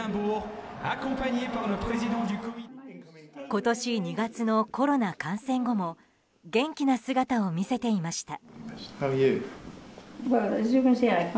今年２月のコロナ感染後も元気な姿を見せていました。